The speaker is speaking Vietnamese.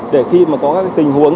để khi mà có các cái tình huống